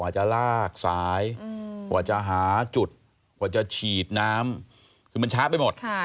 จะลากสายกว่าจะหาจุดกว่าจะฉีดน้ำคือมันช้าไปหมด